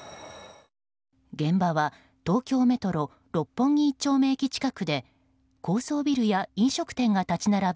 現場は、東京メトロ六本木一丁目駅近くで高層ビルや飲食店が立ち並ぶ